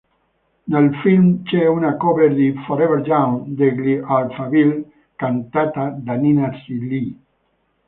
Nel film c'è una cover di "Forever Young" degli Alphaville, cantata da Nina Zilli.